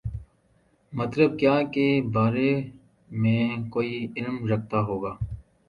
مطلب کیا کے بارے میں کوئی علم رکھتا ہو گا